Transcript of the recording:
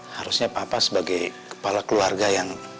harusnya papa sebagai kepala keluarga yang